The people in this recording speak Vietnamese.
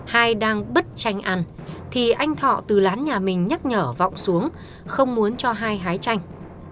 hai đang bứt chanh ăn thì anh thọ từ lán nhà mình nhắc nhở vọng xuống không muốn cho hai hái chanh